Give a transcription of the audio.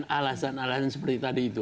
bisa menjelaskan alasan alasan seperti tadi itu